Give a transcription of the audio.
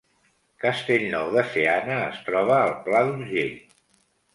Castellnou de Seana es troba al Pla d’Urgell